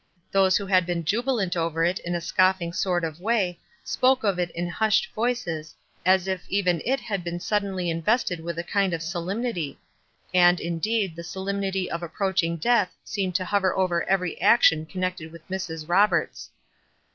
Those who had been jubilant over it in a scoffing sort of way spoke of it in hushed voices, as if even it had been suddenly invested with a kind of solemnity ; and, indeed, the solemnity of approaching death seemed to hover over every action connected with Mrs. Roberts.